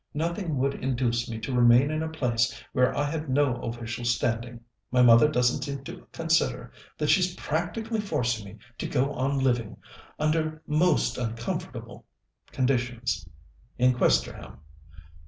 Nothing would induce me to remain in a place where I had no official standing. My mother doesn't seem to consider that she's practically forcing me to go on living, under most uncomfortable conditions, in Questerham.